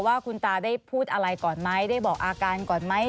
ว่าคุณตาได้พูดอะไรก่อนไหมได้บอกอาการก่อนไหม